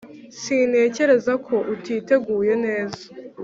'sintekereza ko utiteguye neza.'